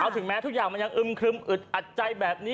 ถึงแม้ทุกอย่างมันยังอึมครึมอึดอัดใจแบบนี้